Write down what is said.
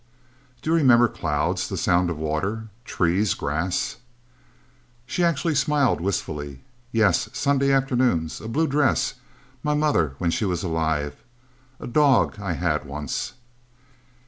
"Do you remember clouds, the sound of water? Trees, grass...?" She actually smiled, wistfully. "Yes. Sunday afternoons. A blue dress. My mother when she was alive... A dog I had, once..."